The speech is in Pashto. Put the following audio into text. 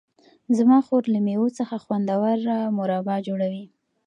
زما خور له مېوو څخه خوندور مربا جوړوي.